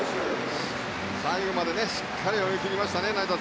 最後までしっかり泳ぎ切りましたね。